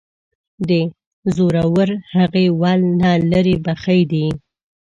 د زورورهغې ول نه لري ،بخۍ دى.